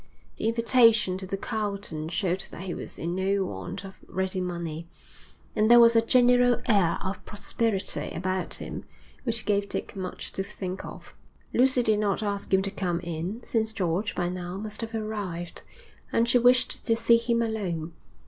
The invitation to the Carlton showed that he was in no want of ready money, and there was a general air of prosperity about him which gave Dick much to think of. Lucy did not ask him to come in, since George, by now, must have arrived, and she wished to see him alone.